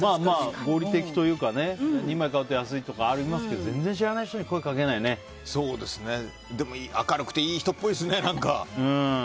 合理的というか２枚買ったら安いとかありますけどでも、明るくていい人っぽいですね。